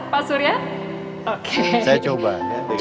pasur ya oke saya coba coba ya oke pasti bisa pak surya ya oke kalau gitu